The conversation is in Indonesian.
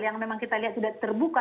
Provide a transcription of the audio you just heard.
yang memang kita lihat sudah terbuka